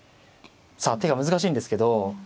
さあ手が難しいんですけど。